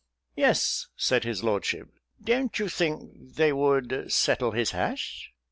"Yes," said his lordship; "don't you think they would settle his hash?"